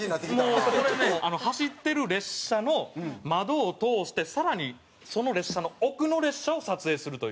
もうこれね走ってる列車の窓を通してさらにその列車の奥の列車を撮影するという。